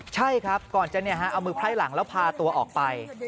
ใช่ครับก่อนจะเอามือไพร่หลังแล้วพาตัวออกไป